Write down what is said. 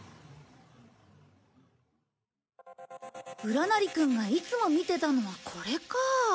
うらなりくんがいつも見てたのはこれか。